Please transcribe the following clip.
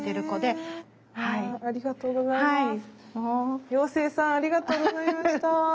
妖精さんありがとうございました。